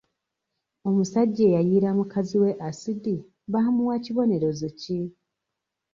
Omusajja eyayiira mukazi we asidi baamuwa kibonerezo ki?